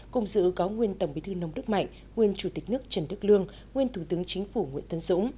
cùng dự có nguyên tổng bí thư nông đức mạnh nguyên chủ tịch nước trần đức lương nguyên thủ tướng chính phủ nguyễn tân dũng